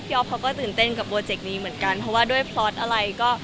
ออฟเขาก็ตื่นเต้นกับโปรเจกต์นี้เหมือนกันเพราะว่าด้วยพล็อตอะไรก็